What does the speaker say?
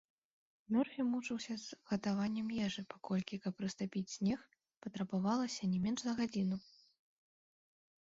Мёрфі мучыўся з гатаваннем ежы, паколькі, каб растапіць снег, патрабавалася не менш за гадзіну.